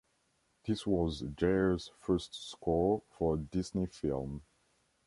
This was Jarre's first score for a Disney film.